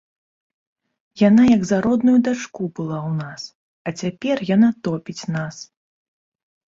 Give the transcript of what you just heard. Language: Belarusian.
Яна як за родную дачку была ў нас, а цяпер яна топіць нас.